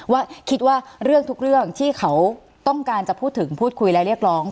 ว่าคิดว่าเรื่องทุกเรื่องที่เขาต้องการจะพูดถึงพูดคุยและเรียกร้อง